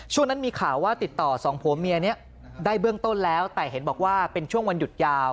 ช่วงนั้นมีข่าวว่าติดต่อสองผัวเมียนี้ได้เบื้องต้นแล้วแต่เห็นบอกว่าเป็นช่วงวันหยุดยาว